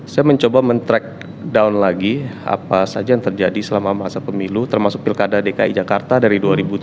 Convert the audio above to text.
saya mencoba men track down lagi apa saja yang terjadi selama masa pemilu termasuk pilkada dki jakarta dari dua ribu tujuh belas